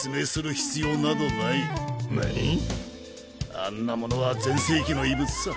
あんなものは前世紀の遺物さ。